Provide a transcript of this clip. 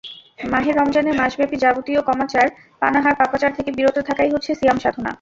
মাহে রমজানে মাসব্যাপী যাবতীয় কামাচার, পানাহার, পাপাচার থেকে বিরত থাকাই হচ্ছে সিয়াম সাধনা।